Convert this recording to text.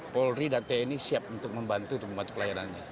polri dan tni siap untuk membantu untuk membantu pelayanannya